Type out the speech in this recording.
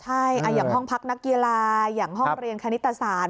ใช่อย่างห้องพักนักกีฬาอย่างห้องเรียนคณิตศาสตร์